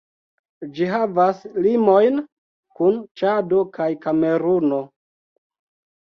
Ĝi havas limojn kun Ĉado kaj Kameruno.